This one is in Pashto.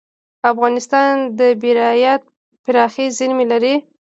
افغانستان د بیرایت پراخې زیرمې لري.